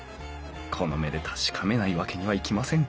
この目で確かめないわけにはいきません